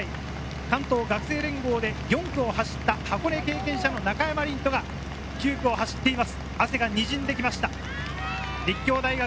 前々回、関東学生連合で４区を走った箱根経験者の中山凜斗が９区を走っています。